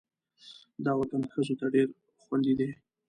دا وطن ښځو ته ډېر خوندي دی.